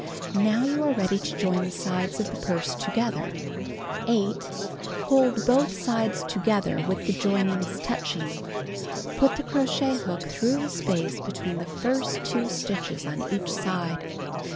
Now you are ready to join the sides of the purse together. 8. Hold both sides together with the joinings touching. Put the crochet hook 256 Knitting and Crocheting Book through the space between the first 2 stitches on each side.